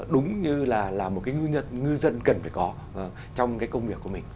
đúng như là một cái ngư dân cần phải có trong cái công việc của mình